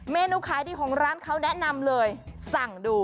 เมนูขายดีของร้านเขาแนะนำเลยสั่งดู